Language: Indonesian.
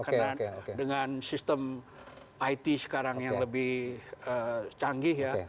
karena dengan sistem it sekarang yang lebih canggih ya